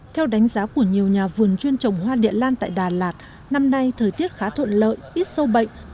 theo đánh giá của nhiều nhà vườn chuyên trồng hoa địa lan tại đà lạt năm nay thời tiết khá thuận lợi ít sâu bệnh